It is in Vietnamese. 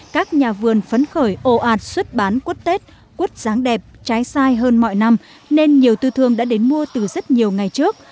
các nhà vườn phấn khởi ồ ạt xuất bán quất tết quất dáng đẹp trái sai hơn mọi năm nên nhiều tư thương đã đến mua từ rất nhiều ngày trước